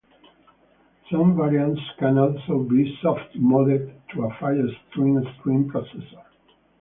Some variants can also be soft-modded to a FireStream stream processor.